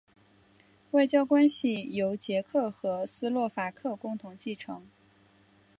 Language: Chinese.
外交关系由捷克和斯洛伐克共同继承。